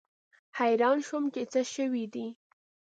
حیران شوم چې څه شوي دي.